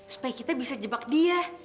supaya kita bisa jebak dia